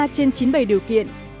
sáu mươi ba trên chín mươi bảy điều kiện